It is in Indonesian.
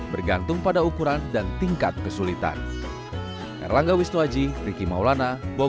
bergantung pada ukuran dan tingkat kesulitan